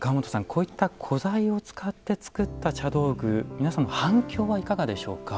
こういった古材を使って作った茶道具皆さんの反響はいかがでしょうか？